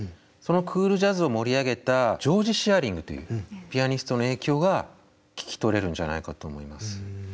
そのクールジャズを盛り上げたジョージ・シアリングというピアニストの影響が聞き取れるんじゃないかと思います。